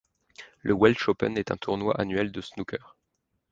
Le Welsh Open est un tournoi annuel de snooker.